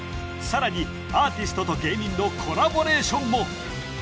さらにアーティストと芸人のコラボレーションもＵＴＡＧＥ！